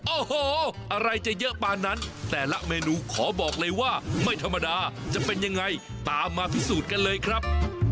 โอ้โหอะไรจะเยอะปานนั้นแต่ละเมนูขอบอกเลยว่าไม่ธรรมดาจะเป็นยังไงตามมาพิสูจน์กันเลยครับ